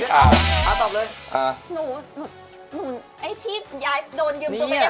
ตัวติ๊กหลีมาช่วยดี